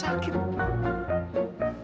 nanti gue mau sakit